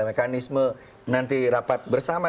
mekanisme nanti rapat bersama